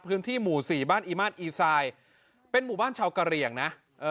พื้นที่หมู่๔บ้านอีมาร์ดอีซายเป็นหมู่บ้านชาวกะเรียงนะ